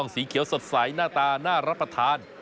สีเขียวสดใสหน้าตาน่ารับประทาน